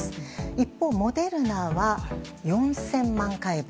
一方、モデルナは４０００万回分。